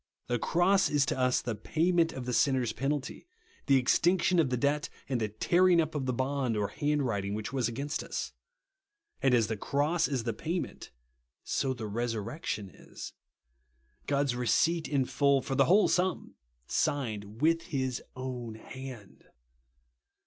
The cross is to us the payment of the sinner's penalty, the extinction of the debt, and the tearing up of the bond or hand writing which was against us. And as the cross is the payment, so the resurrection is. God's receipt in full, for the whole sum, signed with his own hand.